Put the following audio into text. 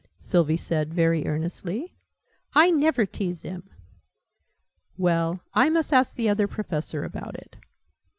Sylvie said, very earnestly. "I never tease him!" "Well, I must ask the Other Professor about it."